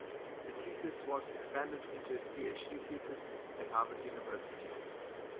The thesis was expanded into his Ph.D. thesis at Harvard University.